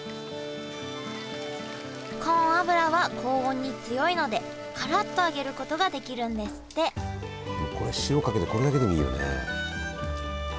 コーン油は高温に強いのでカラっと揚げることができるんですってもうこれ塩かけてこれだけでもいいよね。